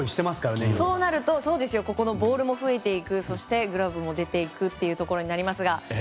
ボールも増えていくそして、グローブも出て行くというところになりますが。